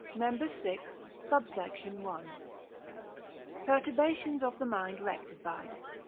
MEMB. VI. SUBSECT. I.—_Perturbations of the mind rectified.